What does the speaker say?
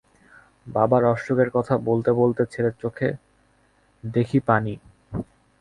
বাবার অসুখের কথা বলতে-বলতে ছেলের চোখে দেখি পানি।